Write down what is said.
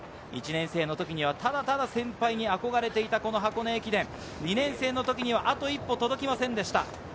１年生の時にただ先輩に憧れていた箱根駅伝、２年生の時にはあと一歩届きませんでした。